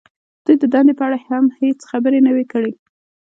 دوی د دندې په اړه هم هېڅ خبرې نه وې کړې